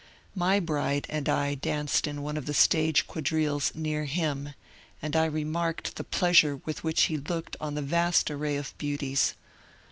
My bride and I danced in one of the stage quadrilles near him, and I remarked the pleasure with which he looked on the vast array of beauties.